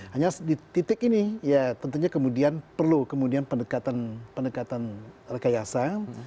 hanya di titik ini tentunya kemudian perlu pendekatan rekayasa